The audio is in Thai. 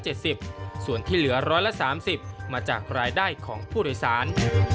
ส่วนที่เหลือ๑๓๐มาจากรายได้ของผู้โดยสาร